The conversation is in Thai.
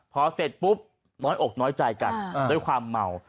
พอเสร็จปุ๊บน้อยอกน้อยใจกันด้วยความเมา